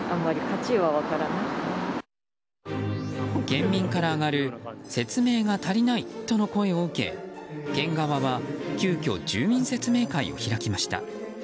県民から上がる説明が足りないとの声を受け県側は、急きょ住民説明会を開きました。